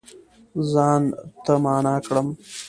ځان ته معنا کړم